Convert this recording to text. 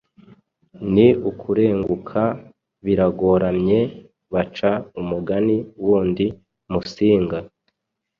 Ni ukurenguka biragoramye Baca umugani wundi ,Musinga !